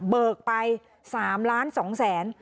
เบิกไป๓ล้าน๒แสน